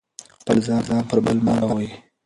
خپل ځان پر بل مه باروئ.